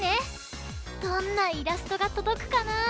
どんなイラストがとどくかな？